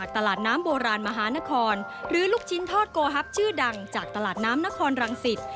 ตลาดน้ำโบราณมหานครหรือลูกชิ้นทอดโกฮับชื่อดังจากตลาดน้ำนครรังสิต